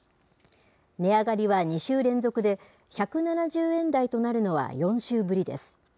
値上がりは２週連続で、１７０円台となるのは４週ぶりです。